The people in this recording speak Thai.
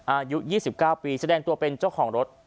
อายุ๒๙ปีแสดงตัวเป็นเจ้าของรถ